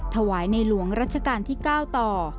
ถวายในหลวงรัชกาลที่๙ต่อ